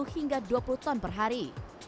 satu hingga dua puluh ton per hari